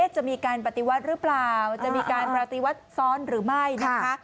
จะมีการปฏิวัติหรือเปล่าจะมีการปฏิวัติซ้อนหรือไม่นะคะ